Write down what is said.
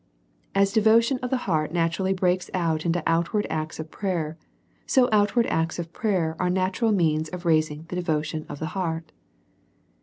As devotion of the heart naturally breaks out into outward acts of prayer, so outward acts of prayer are natural means of raising the devotion of the lieart.